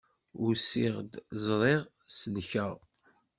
Usiɣ-d, ẓriɣ, selkeɣ.